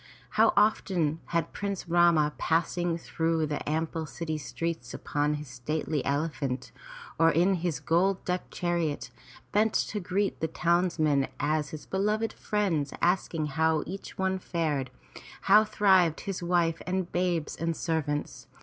How often had Prince Rama, passing through the ample city streets upon his stately elephant or in his gold decked chariot, bent to greet the townsmen as beloved friends, asking how each one fared, how thrived his wife and babes and servants.